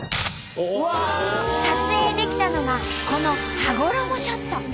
撮影できたのがこの羽衣ショット！